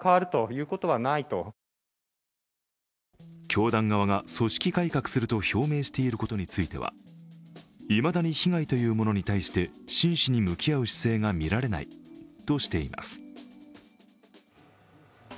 教団側が組織改革すると表明していることについてはいまだに被害というものに対して真摯に向き合う姿勢が見られないとしています。